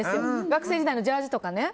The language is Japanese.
学生時代のジャージーとか。